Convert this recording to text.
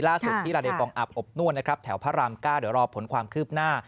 ล่าสุดที่ลาเดฟองอับอบนวลนะครับแถวพระราม๙เดี๋ยวรอผลความคืบหน้า